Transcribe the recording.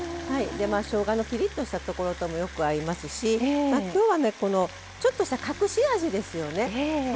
しょうがのピリッとしたところともよく合いますしきょうは、ちょっとした隠し味ですよね。